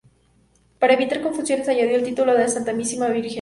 Para evitar confusiones añadió el título de la Santísima Virgen.